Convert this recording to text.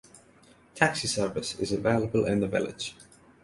Taxi service is available in the village.